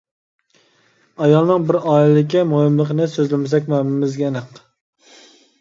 ئايالنىڭ بىر ئائىلىدىكى مۇھىملىقنى سۆزلىمىسەكمۇ ھەممىمىزگە ئېنىق.